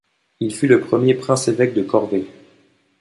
Il fut le premier prince-évêque de Corvey.